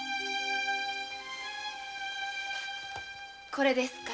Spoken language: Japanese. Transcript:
これですか？